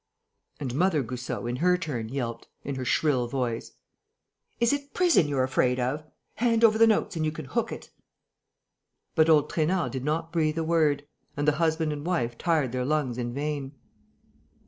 And Mother Goussot, in her turn, yelped, in her shrill voice: "Is it prison you're afraid of? Hand over the notes and you can hook it!" But old Trainard did not breathe a word; and the husband and wife tired their lungs in vain.